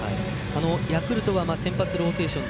ヤクルトの先発ローテーション